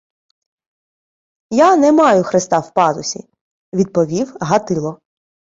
— Я не маю хреста в пазусі! — відповів Гатило.